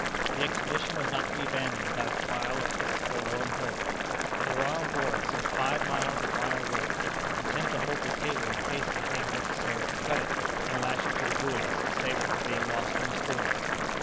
The expedition was not to be abandoned without a trial of this forlorn hope. There were on board some five miles of wire rope, intended to hold the cable in case it became necessary to cut it and lash it to the buoys, to save it from being lost in a storm.